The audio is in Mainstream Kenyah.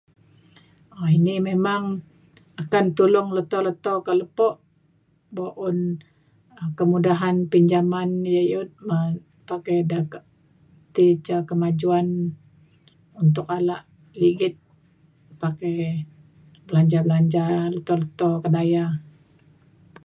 um ini memang akan tulong leto leto ka lepo bok un kemudahan pinjaman i'ut pakai ida ka ti ca kemajuan untuk ala ligit pakai belanja belanja leto leto kedaya